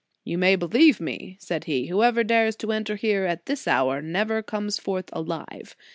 You may be lieve me, said he, whoever dares to enter here at this hour, never comes forth alive.